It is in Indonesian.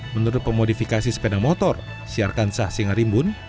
menurut pemodifikasi sepeda motor siarkan sah singarimbun